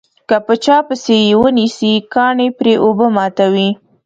که په چا پسې یې ونسي کاڼي پرې اوبه ماتوي.